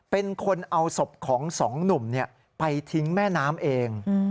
เป็นคนเอาศพของสองหนุ่มไปทิ้งแม่น้ำเอง